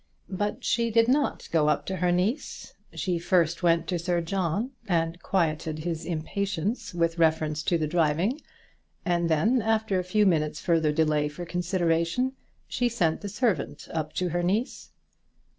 But she did not go up to her niece. She first went to Sir John and quieted his impatience with reference to the driving, and then, after a few minutes' further delay for consideration, she sent the servant up to her niece.